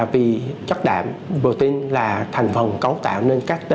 vì chất đạm protein là thành phần cấu tạo nên các tế bào